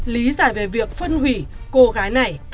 lý giải về việc phân hủy cô gái này